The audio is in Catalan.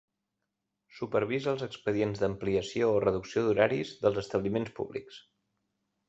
Supervisa els expedients d'ampliació o reducció d'horaris dels establiments públics.